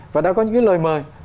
và đã có những cái lời mời